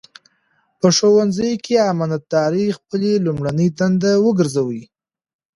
په ښوونځي کې امانتداري خپله لومړنۍ دنده وګرځوئ.